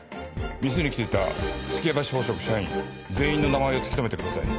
店に来ていた数寄屋橋宝飾社員全員の名前を突き止めてください。